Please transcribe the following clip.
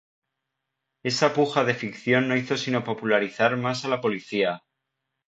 Esa puja de ficción no hizo sino popularizar más a la policía.